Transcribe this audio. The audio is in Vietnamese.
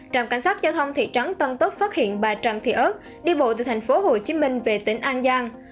trạm cảnh sát giao thông thị trấn tân túc phát hiện bà trần thị ơt đi bộ từ tp hcm về tỉnh an giang